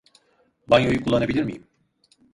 Banyoyu kullanabilir miyim?